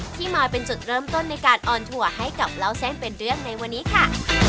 ที่มาเป็นจุดเริ่มต้นในการออนทัวร์ให้กับเล่าเส้นเป็นเรื่องในวันนี้ค่ะ